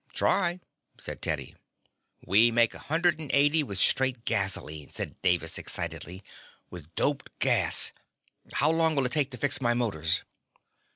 "Try," said Teddy. "We make a hundred and eighty with straight gasoline," said Davis excitedly. "With doped gas How long will it take to fix my motors?"